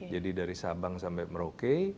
jadi dari sabang sampai merauke